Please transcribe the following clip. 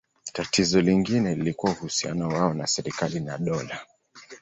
Tatizo lingine lilikuwa uhusiano wao na serikali na dola.